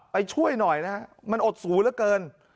ไปช่วยหน่อยนะมันอดสูงเกิน